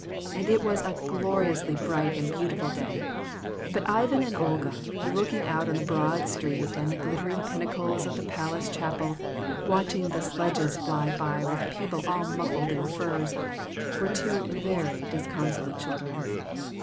And it was a gloriously bright and beautiful day; but Ivan and Olga, looking out on the broad street and the glittering pinnacles of the palace chapel, watching the sledges fly by with people all muffled in furs, were two very disconsolate children.